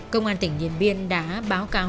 công an tỉnh điền biên đã báo cáo